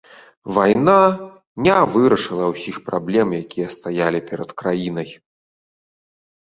Вайна не вырашыла ўсіх праблем, якія стаялі перад краінай.